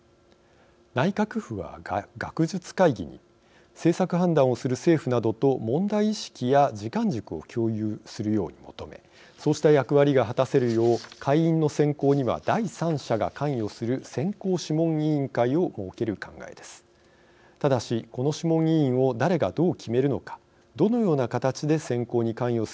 内閣府は、学術会議に政策判断をする政府などと問題意識や時間軸を共有するように求めそうした役割が果たせるよう会員の選考には第三者が関与する選考諮問委員会を設ける考えです。